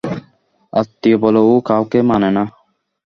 আত্মীয় বলে ও কাউকে মানে না।